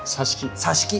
さし木！